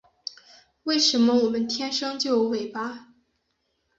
为什么我们天生就有尾巴